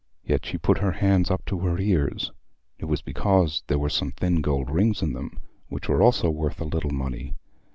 Yet she put her hands up to her ears: it was because there were some thin gold rings in them, which were also worth a little money.